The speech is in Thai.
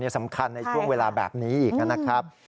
สำคัญในช่วงเวลาแบบนี้อีกนะครับ